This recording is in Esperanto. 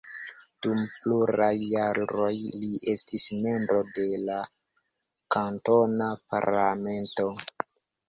Dum pluraj jaroj li estis membro de la kantona parlamento.